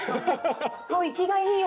もう生きがいいよ。